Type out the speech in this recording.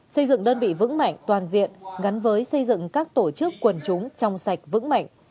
xây dựng đơn vị vững mạnh toàn diện gắn với xây dựng các tổ chức quần chúng trong sạch vững mạnh